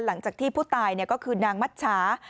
หลังจากที่ผู้ตายก็คือนางมัชชา